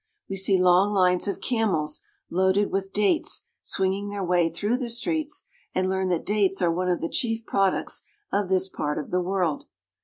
We see long lines of camels, loaded with dates, swinging their way through the streets, and learn that dates are one of the chief products of this part of the world.